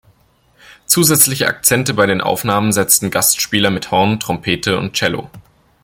Zusätzliche Akzente bei den Aufnahmen setzten Gastspieler mit Horn, Trompete und Cello.